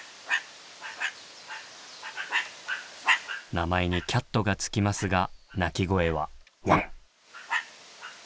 名前に「キャット」が付きますが鳴き声は「ワン！」。